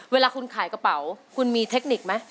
เวลาคุณขายกระเป๋าคุณมีเทคนิคไหม